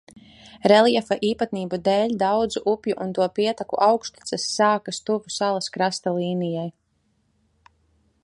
Reljefa īpatnību dēļ daudzu upju un to pieteku augšteces sākas tuvu salas krasta līnijai.